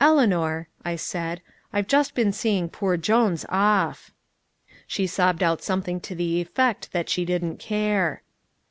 "Eleanor," I said, "I've just been seeing poor Jones off." She sobbed out something to the effect that she didn't care.